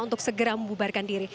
untuk segera membubarkan diri